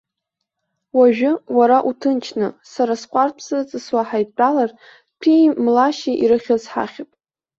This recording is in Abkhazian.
Уажәы уара уҭынчны, сара сҟәардә сыҵысуа ҳаидтәалар, ҭәи-млашьи ирыхьыз ҳахьып.